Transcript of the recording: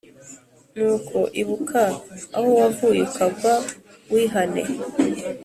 Nuko ibuka aho wavuye ukagwa wihane,